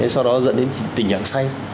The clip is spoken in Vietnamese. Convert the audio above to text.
sau đó dẫn đến tình trạng say